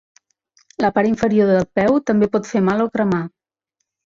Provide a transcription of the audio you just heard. La part inferior del peu també pot fer mal o cremar.